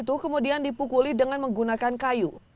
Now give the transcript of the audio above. korban itu kemudian dipukuli dengan menggunakan kayu